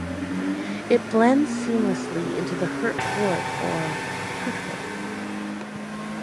It blends seamlessly into the Hurt Wood or Hurtwood.